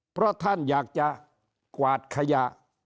เพราะท่านอยากจะกวาดขยะ